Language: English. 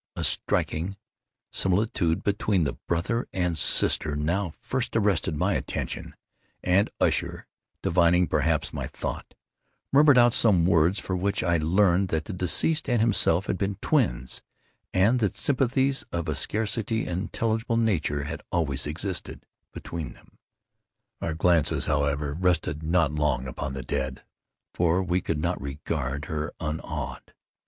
A striking similitude between the brother and sister now first arrested my attention; and Usher, divining, perhaps, my thoughts, murmured out some few words from which I learned that the deceased and himself had been twins, and that sympathies of a scarcely intelligible nature had always existed between them. Our glances, however, rested not long upon the dead—for we could not regard her unawed.